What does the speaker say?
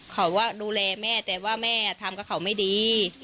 เขาว่าดูแลแม่แต่ว่าแม่ทำกับเขาไม่ดี